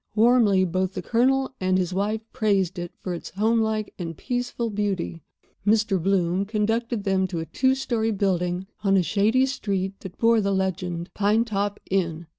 Warmly both the Colonel and his wife praised it for its homelike and peaceful beauty. Mr. Bloom conducted them to a two story building on a shady street that bore the legend, "Pine top Inn."